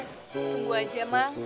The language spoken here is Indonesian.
tunggu aja mang